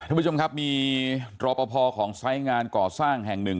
ท่านผู้ชมครับมีรอปภของไซส์งานก่อสร้างแห่งหนึ่ง